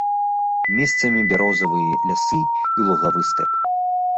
Месцамі бярозавыя лясы і лугавы стэп.